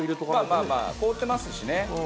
まあまあまあ凍ってますしね。